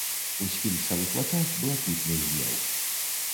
У сфінксавых вачах блакітны гнеў.